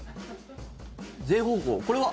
全方向、これは？